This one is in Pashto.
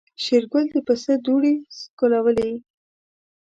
شېرګل د پسه دوړې سکوللې.